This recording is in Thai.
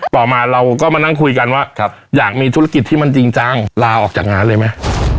ต่อมาเราก็มานั่งคุยกันว่าอยากมีธุรกิจที่มันจริงจังลาออกจากงานเลยไหม